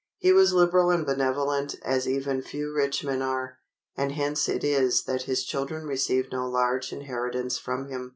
He was liberal and benevolent as even few rich men are, and hence it is that his children received no large inheritance from him.